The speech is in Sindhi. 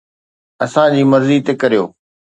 اسان جي مرضي تي ڪريو.